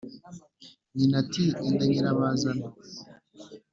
nyina ati ‘enda nyirabazana,